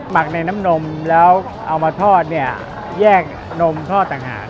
ักในน้ำนมแล้วเอามาทอดเนี่ยแยกนมทอดต่างหาก